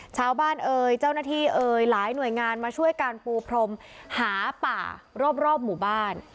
เอ่ยเจ้าหน้าที่เอ่ยหลายหน่วยงานมาช่วยการปูพรมหาป่ารอบหมู่บ้าน